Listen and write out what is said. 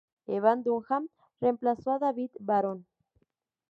Evan Dunham reemplazo a David Baron.